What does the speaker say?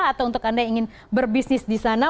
atau untuk anda yang ingin mencari pendidikan di jawa